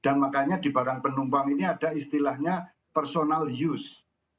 dan makanya di barang penumpang ini ada istilahnya personal use